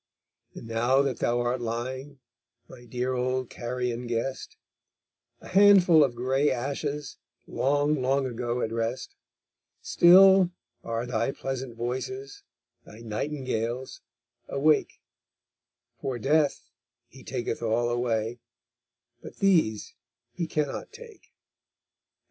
And now that thou art lying, my dear old Carian guest, A handful of grey ashes, long long ago at rest, Still are thy pleasant voices, thy nightingales, awake; For Death, he taketh all away, but these he cannot take_.